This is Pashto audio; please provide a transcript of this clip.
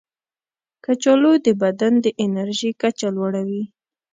کچالو د بدن د انرژي کچه لوړوي.